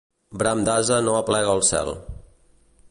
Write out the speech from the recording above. Bram d'ase no aplega al cel.